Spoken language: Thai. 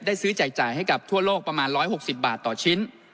ซื้อแจกจ่ายให้กับทั่วโลกประมาณ๑๖๐บาทต่อชิ้น